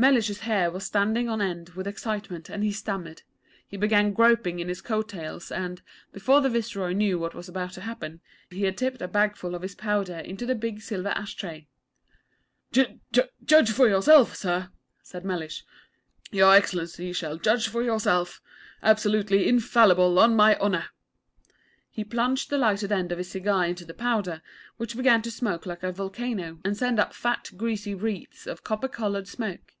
Mellish's hair was standing on end with excitement, and he stammered. He began groping in his coat tails and, before the Viceroy knew what was about to happen, he had tipped a bagful of his powder into the big silver ash tray. 'J j judge for yourself, Sir,' said Mellish. 'Y' Excellency shall judge for yourself! Absolutely infallible, on my honour.' He plunged the lighted end of his cigar into the powder, which began to smoke like a volcano, and send up fat, greasy wreaths of copper coloured smoke.